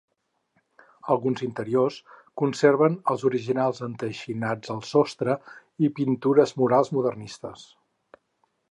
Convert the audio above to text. Alguns interiors conserven els originals enteixinats al sostre i pintures murals modernistes.